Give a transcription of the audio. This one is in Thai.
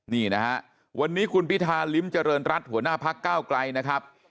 นี่นะวันนี้คุณพิทาลิมเจริญรัติหัวหน้าภักดิ์ก้าวกลายนะครับ